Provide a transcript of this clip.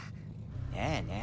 ねえねえ